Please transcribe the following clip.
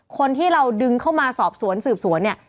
คนที่เราดึงเข้ามาสอบสวนสืบสวนเนี่ย